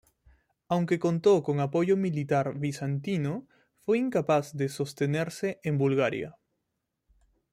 Aunque contó con apoyo militar bizantino, fue incapaz de sostenerse en Bulgaria.